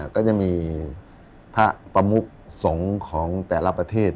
ก็จะมีพระประมุกสงฆ์ของแต่ละประเทศ